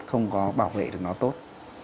không có bảo vệ được nó tốt